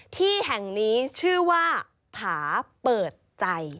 ที่แห่งนี้ชื่อว่าถาเปิดใจ